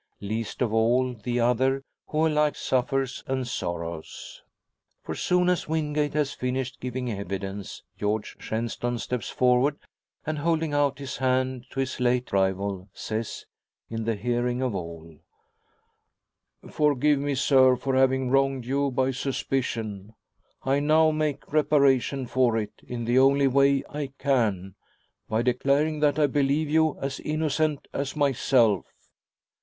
Least of all the other, who alike suffers and sorrows. For soon as Wingate has finished giving evidence, George Shenstone steps forward, and holding out his hand to his late rival, says, in the hearing of all "Forgive me, sir, for having wronged you by suspicion! I now make reparation for it in the only way I can by declaring that I believe you as innocent as myself."